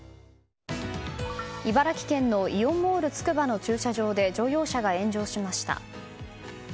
茨城県のイオンモールつくばの駐車場で乗用車が炎上しました。